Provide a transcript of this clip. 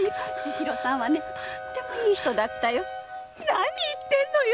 何言ってんのよ！